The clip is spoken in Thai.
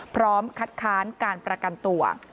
พร้อมคัดค้านการประกันตัว